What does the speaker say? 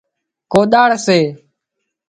ڪوۮاۯ سي